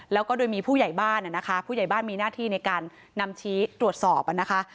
แล้วก็โดยมีผู้ใหญ่บ้านนะคะผู้ใหญ่บ้านมีหน้าที่ในการนำชี้ตรวจสอบนะคะ